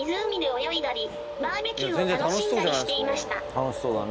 楽しそうだね。